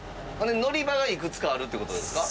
乗り場がいくつかあるって事ですか？